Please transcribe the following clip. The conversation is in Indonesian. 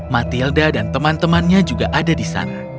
matilda dan teman temannya juga ada di sana